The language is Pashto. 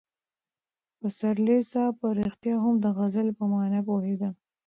پسرلي صاحب په رښتیا هم د غزل په مانا پوهېده.